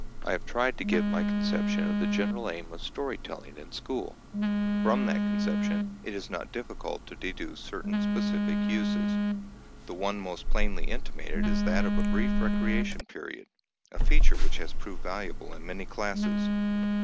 I have tried to give my conception of the general aim of story telling in school. From that conception, it is not difficult to deduce certain specific uses. The one most plainly intimated is that of a brief recreation period, a feature which has proved valuable in many classes.